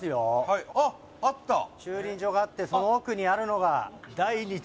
駐輪場があってその奥にあるのが第二力酒蔵。